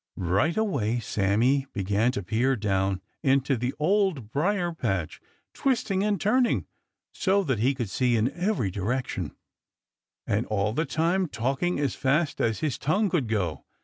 Right away Sammy began to peer down into the Old Briar patch, twisting and turning so that he could see in every direction, and all the time talking as fast as his tongue could go.